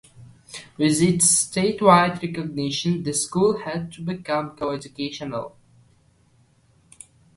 With its statewide recognition, the school had to become co-educational.